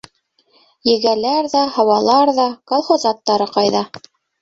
Егәләр ҙә, һауалар ҙа - Колхоз аттары кайҙа?